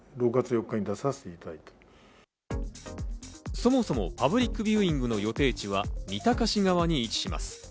そもそもパブリックビューイングの予定地は三鷹市側に位置します。